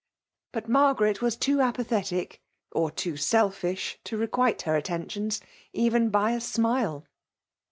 But Margaret was too apathetic, or too selfish, to requite her attentions, even by a smile.